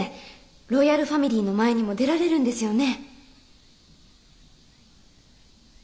ロイヤルファミリーの前にも出られるんですよね。